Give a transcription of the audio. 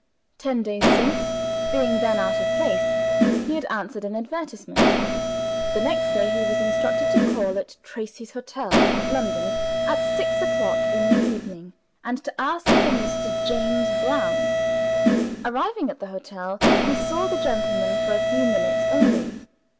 Ten days since, being then out of place, he had answered an advertisement. The next day, he was instructed to call at Tracey's Hotel, London, at six o'clock in the evening, and to ask for Mr. James Brown. Arriving at the hotel he saw the gentleman for a few minutes only.